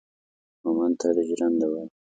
مومند تالي جرنده وايي